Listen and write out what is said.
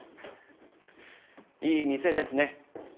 いい店ですね。